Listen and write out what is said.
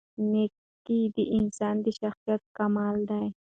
نېکي د انسان د شخصیت کمال دی.